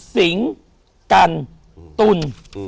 สิง่กันตุ่ง